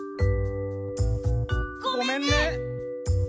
ごめんね！